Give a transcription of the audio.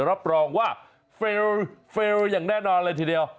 รับรองว่าเฟลล์อย่างแน่นอนเลยทีเดียว